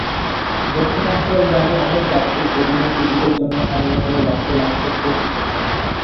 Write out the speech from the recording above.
দক্ষিণাঞ্চলগামী অনেক যাত্রী কেবিনের টিকিটের জন্য হন্যে হয়ে লঞ্চে লঞ্চে খোঁজ নিচ্ছেন।